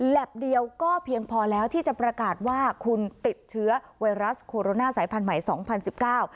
เดียวก็เพียงพอแล้วที่จะประกาศว่าคุณติดเชื้อไวรัสโคโรนาสายพันธุ์ใหม่สองพันสิบเก้า